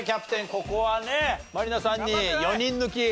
ここはね満里奈さんに４人抜き。